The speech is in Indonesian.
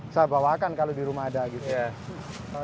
saya bawakan kalau di rumah ada gitu ya